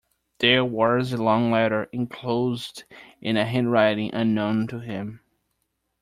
There was a long letter enclosed in a handwriting unknown to him.